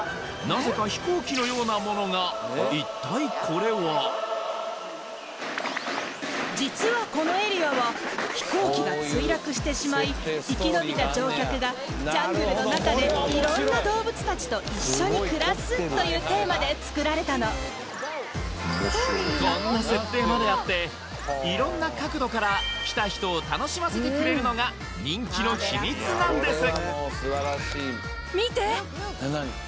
なぜか飛行機のようなものが実はこのエリアは飛行機が墜落してしまい生き延びた乗客がジャングルの中で色んな動物たちと一緒に暮らすというテーマでつくられたのこんな設定まであって色んな角度から来た人を楽しませてくれるのが人気の秘密なんです